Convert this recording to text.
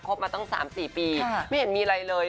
บมาตั้ง๓๔ปีไม่เห็นมีอะไรเลย